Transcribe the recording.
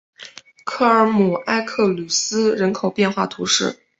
科尔姆埃克吕斯人口变化图示